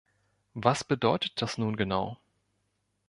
Was bedeutet das nun genau?